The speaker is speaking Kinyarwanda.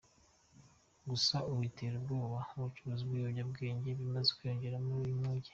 Gusa ubu itera bwoba, icuruzwa ry’ibiyobyabwenge bimaze kwiyongera muri uyu mujyi .